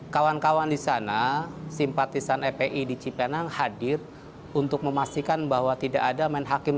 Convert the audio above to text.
kawan kawan di sana simpatisan fpi di cipinang hadir untuk memastikan bahwa tidak ada main hakim